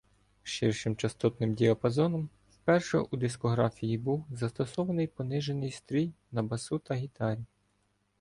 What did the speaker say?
ширшим частотним діапазоном: вперше у дискографії був застосований понижений стрій на басу та гітарі.